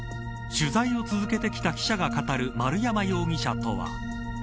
取材を続けてきた記者が語る丸山容疑者とは。